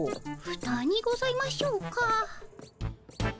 ふたにございましょうか。